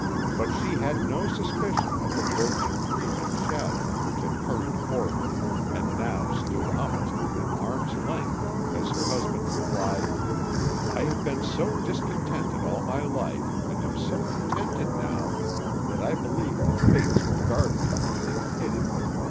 But she had no suspicion of the lurking, creeping shadow which had hurried forward, and now stood almost within arm's length, as her husband replied, "I have been so discontented all my life, and am so contented now, that I believe the Fates will guard me from it in pity.